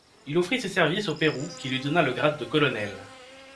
Il offrit ses services au Pérou qui lui donna le grade de Colonel.